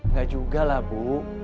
nggak juga lah bu